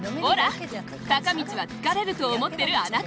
坂道は疲れると思ってるあなた。